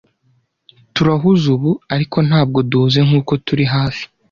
Turahuze ubu, ariko ntabwo duhuze nkuko turi hafi.